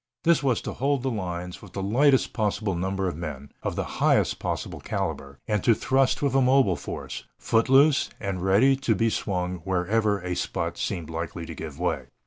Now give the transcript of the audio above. This was to hold the lines with the lightest possible number of men, of the highest possible caliber, and to thrust with a mobile force, foot loose and ready to be swung wherever a spot seemed likely to give way.